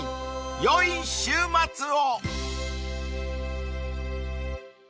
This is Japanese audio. ［よい週末を］